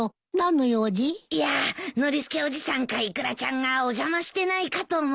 いやノリスケおじさんかイクラちゃんがお邪魔してないかと思って。